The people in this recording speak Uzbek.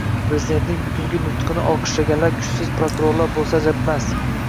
Prezidentning bugungi nutqini olqishlaganlar kuchsiz prokurorlar bo'lsa ajab emas...